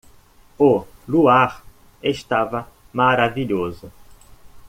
O luar estava maravilhoso.